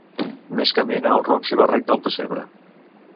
Més camina el ruc si va recte al pessebre.